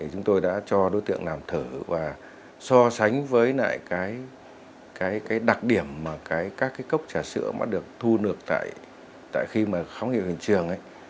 chúng tôi đã cho đối tượng làm thử và so sánh với lại cái đặc điểm mà các cái cốc trà sữa mà được thu được tại khi mà khóa nghiệp hình trường ấy